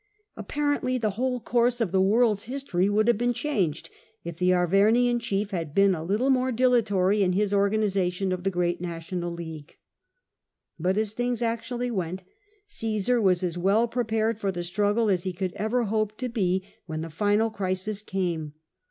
Apparently the whole course of the world's history would have been changed if the Arvernian chief had been a little more dilatory in his organisation of tho great national league. But as things actually went, Oaosar was as well pi'e pared for the struggle as he could ever hope to be when the final crisis came.